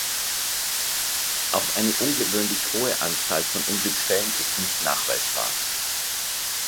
Auch eine ungewöhnlich hohe Anzahl von Unglücksfällen ist nicht nachweisbar.